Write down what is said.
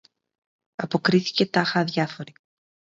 αποκρίθηκε τάχα αδιάφορη.